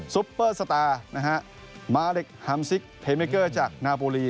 ซุปเปอร์สตาร์นะฮะมาเหล็กฮัมซิกเพเมเกอร์จากนาบุรี